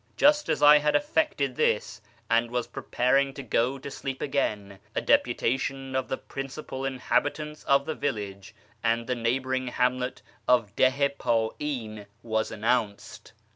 Just as I had effected this, and was preparing to go to sleep again, a deputation of I the principal inhabitants of the village and the neighbouring hamlet of Dih i Pa'in was announced.